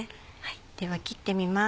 では切ってみます。